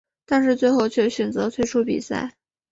但是最后却选择退出比赛。